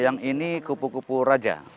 yang ini kupu kupu raja